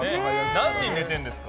何時に寝てるんですか？